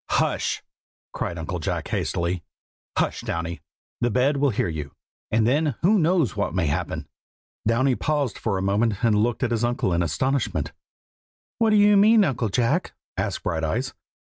"Hush!" cried Uncle Jack hastily. "Hush, Downy! the bed will hear you, and then who knows what may happen?" Downy paused a moment and looked at his uncle in astonishment. "What do you mean, Uncle Jack?" asked Brighteyes.